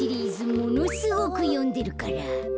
ものすごくよんでるから。